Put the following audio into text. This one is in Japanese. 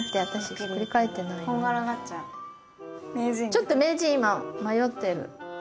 ちょっと名人今迷ってる。